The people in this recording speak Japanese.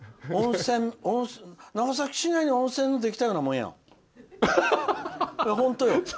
長崎市内に温泉ができたようなもんよ。